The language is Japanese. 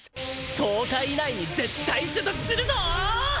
１０日以内に絶対取得するぞ！